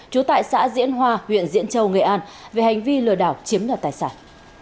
một nghìn chín trăm chín mươi chú tại xã diễn hoa huyện diễn châu nghệ an về hành vi lừa đảo chiếm đoạt tài sản